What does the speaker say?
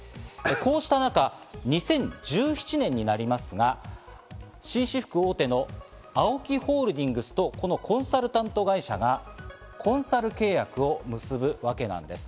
こうした中、２０１７年になりますが、紳士服大手のＡＯＫＩホールディングスと、このコンサルタント会社がコンサル契約を結ぶわけなんです。